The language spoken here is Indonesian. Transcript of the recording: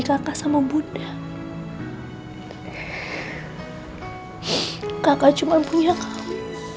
kakak cuma punya kamu